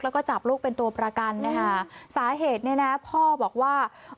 แล้วก็จับลูกเป็นตัวประกันนะคะสาเหตุเนี่ยนะพ่อบอกว่า